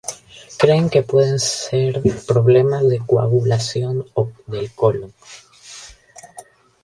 Creen que pueden ser problemas de coagulación o del colon.